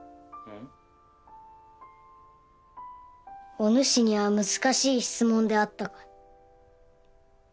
おぬしには難しい質問であったか。